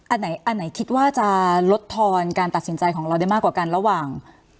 อันไหนคิดว่าจะลดทอนการตัดสินใจของเราได้มากกว่ากันระหว่าง